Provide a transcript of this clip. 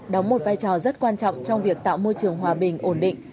đóng một vai trò rất quan trọng trong việc tạo môi trường hòa bình ổn định